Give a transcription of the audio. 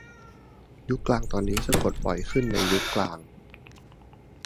ยุคกลางตอนนี้สะกดบ่อยขึ้นในยุคกลาง